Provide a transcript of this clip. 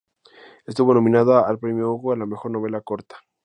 Estuvo nominada al premio Hugo a la mejor novela corta.